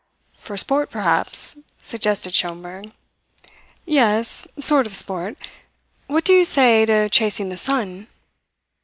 "For sport, perhaps?" suggested Schomberg. "Yes. Sort of sport. What do you say to chasing the sun?"